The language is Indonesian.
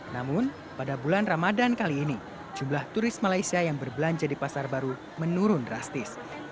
namun pada bulan ramadan kali ini jumlah turis malaysia yang berbelanja di pasar baru menurun drastis